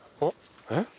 えっ！